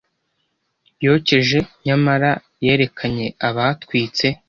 Yokeje nyamara yerekanye abatwitse